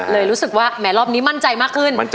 รู้สึกว่าแหมรอบนี้มั่นใจมากขึ้น